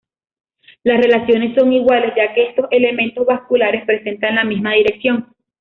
Las relaciones son iguales, ya que estos elementos vasculares presentan la misma dirección.